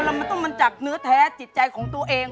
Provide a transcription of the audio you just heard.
แล้วมันต้องมาจากเนื้อแท้จิตใจของตัวเอง